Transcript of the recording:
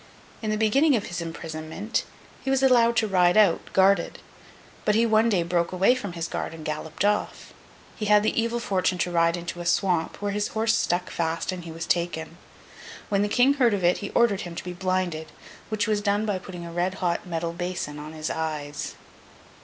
In the beginning of his imprisonment, he was allowed to ride out, guarded; but he one day broke away from his guard and galloped off. He had the evil fortune to ride into a swamp, where his horse stuck fast and he was taken. When the King heard of it he ordered him to be blinded, which was done by putting a red hot metal basin on his eyes.